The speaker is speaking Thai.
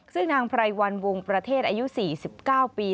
ซึ่งนางไพรวันวงประเทศอายุ๔๙ปี